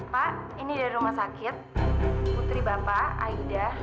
pak ini dari rumah sakit putri bapak aida